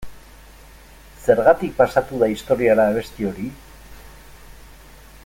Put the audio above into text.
Zergatik pasatu da historiara abesti hori?